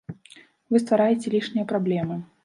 Вы ствараеце лішнія праблемы.